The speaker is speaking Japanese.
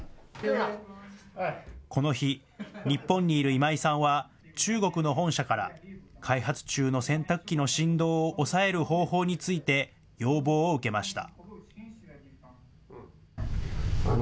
この日、日本にいる今井さんは、中国の本社から開発中の洗濯機の振動を抑える方法について、要望を受けました。